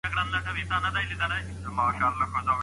د بستر زخمونه څنګه مخنیوی کیږي؟